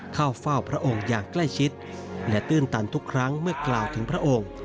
เข้าเฝ้าพระองค์อย่างใกล้ชิดและตื้นตันทุกครั้งเมื่อกล่าวถึงพระองค์